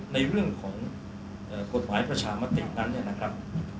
ในเรื่องของกฎหมายประชามตินั้นเนี่ยนะครับ